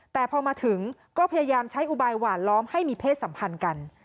แต่พอมาถึงก็พยายามใช้อุบายหวานล้อมให้มีเพศสัมพันธ์กัน